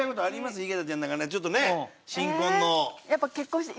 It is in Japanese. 井桁ちゃんなんかちょっとね新婚の。